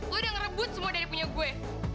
gue udah ngerebut semua dari punya gue